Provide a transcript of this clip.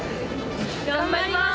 頑張ります！